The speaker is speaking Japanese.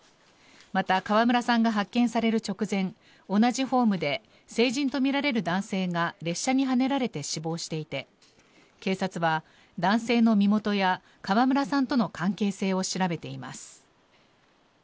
また川村さんが発見される直前同じホームで成人とみられる男性が列車にはねられて死亡していて警察は男性の身元や川村さんとの関係性を調べています。